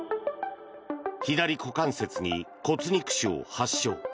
左股関節に骨肉腫を発症。